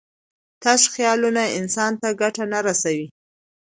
تش خیالونه انسان ته ګټه نه رسوي.